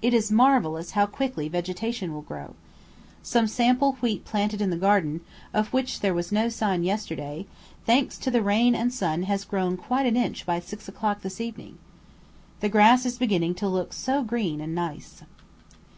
It is marvellous how quickly vegetation will grow. Some sample wheat planted in the garden, of which there was no sign yesterday, thanks to the rain and sun has grown quite an inch by 6 o'clock this evening. The grass is beginning to look so green and nice.